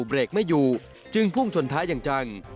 เบรกไม่อยู่จึงพุ่งชนท้ายอย่างจัง